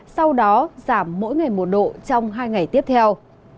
sau đó giảm mỗi ngày một độ trong hai ngày tiếp theo